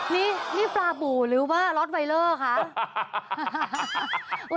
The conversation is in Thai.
นี่ปลาบูหรือว่าล็อตไวเลอร์คะ